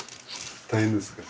大変ですか？